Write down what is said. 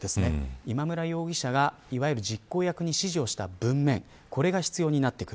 今村容疑者が、いわゆる実行役に指示をした文面これが必要になってくる。